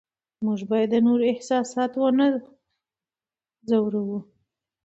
موږ باید د نورو احساسات ونه ځورو